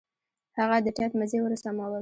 هغه د ټېپ مزي ورسمول.